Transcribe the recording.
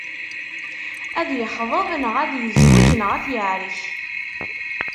Ad yexḍeb neɣ ad yezweǧ, neɣ ar t-yeɛrek.